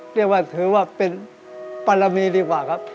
เรียกว่าถือว่าเป็นปรมีดีกว่าครับ